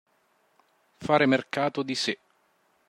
Fare mercato di sé.